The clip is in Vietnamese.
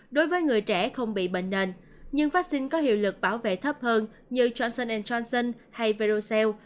đối với người trẻ không bị bệnh nền nhưng vaccine có hiệu lực bảo vệ thấp hơn như chanson johnson hay verocell